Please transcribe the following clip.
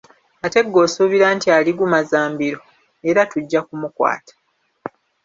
Ate ggwe osuubira nti aligumaza mbilo. Era tujja kumukwata.